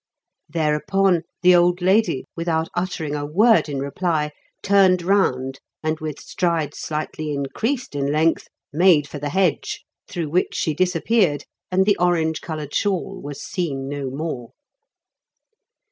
Thereupon the old lady, without uttering a word in reply, turned round and, with strides slightly increased in length, made for the hedge, through which she disappeared, and the orange coloured shawl was seen no more.